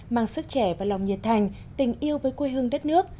mang sức trẻ và lòng nhiệt thành tình yêu với quê hương đất nước